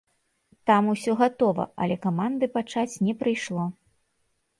Там усё гатова, але каманды пачаць не прыйшло.